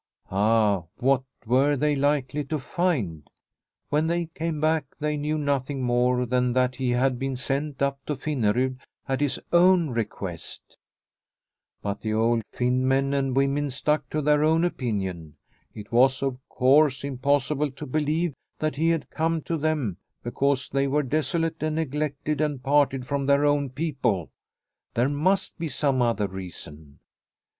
Ah, what were they likely to find ? When they came back, they knew nothing more than that he had been sent up to Finnerud at his own request. But the old Finn men and women stuck The Pastor from Finland 151 to their own opinion. It was, of course, im possible to believe that he had come to them because they were desolate and neglected and parted from their own people. There must be some other reason.